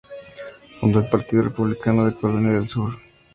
Fundó el Partido Republicano de Carolina del Sur.